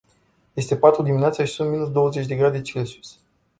Este patru dimineața și sunt minus douăzeci de grade celsius.